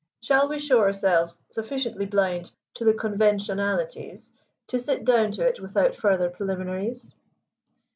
Shall we show ourselves sufficiently blind to the conventionalities to sit down to it without further preliminaries?"